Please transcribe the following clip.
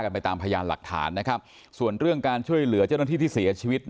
ก็เลยยิงสวนไปแล้วถูกเจ้าหน้าที่เสียชีวิต